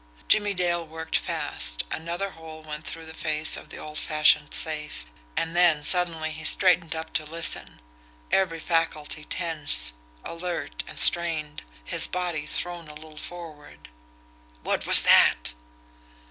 Jimmie Dale worked fast another hole went through the face of the old fashioned safe and then suddenly he straightened up to listen, every faculty tense, alert, and strained, his body thrown a little forward. WHAT WAS THAT!